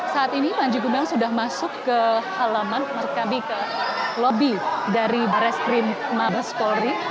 saat ini panji gumilang sudah masuk ke halaman masuk kami ke lobby dari restream mother story